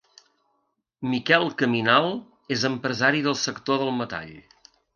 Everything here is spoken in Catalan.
Miquel Caminal és empresari del sector del metall.